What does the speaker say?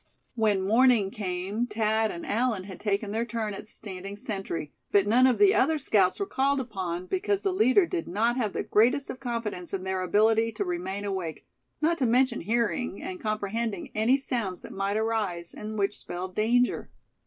When morning came Thad and Allan had taken their turn at standing sentry; but none of the other scouts were called upon, because the leader did not have the greatest of confidence in their ability to remain awake, not to mention hearing, and comprehending, any sounds that might arise, and which spelled danger.